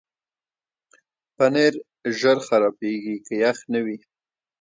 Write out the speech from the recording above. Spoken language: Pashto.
پنېر ژر خرابېږي که یخ نه وي.